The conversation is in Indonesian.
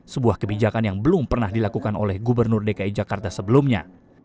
sebuah kebijakan yang belum pernah dilakukan oleh gubernur dki jakarta sebelumnya